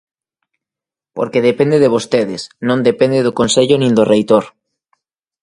Porque depende de vostedes, non depende do Consello nin do reitor.